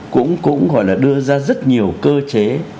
cũng gọi là đưa ra rất nhiều cơ chế